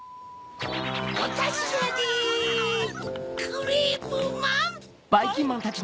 ・クレープマン・はい。